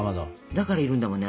だからいるんだもんね